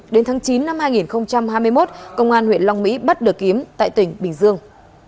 đến tháng chín năm hai nghìn hai mươi một công an huyện long mỹ bắt được kiếm tại tỉnh bình dương